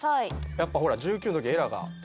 やっぱほら１９の時エラが。